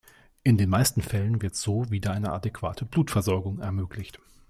In den meisten Fällen wird so wieder eine adäquate Blutversorgung ermöglicht.